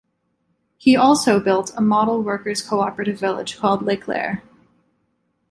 He also built a model workers' cooperative village called Leclaire.